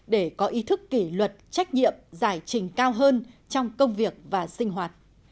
để có ý thức kỷ luật trách nhiệm giải trình cao hơn trong công việc và sinh hoạt